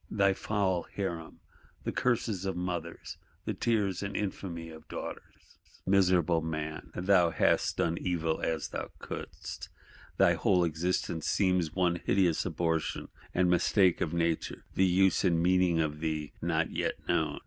Thy foul Harem; the curses of mothers, the tears and infamy of daughters? Miserable man! thou "hast done evil as thou couldst:" thy whole existence seems one hideous abortion and mistake of Nature; the use and meaning of thee not yet known.